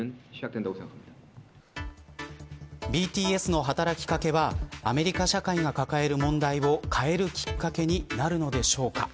ＢＴＳの働きかけはアメリカ社会が抱える問題を変えるきっかけになるのでしょうか。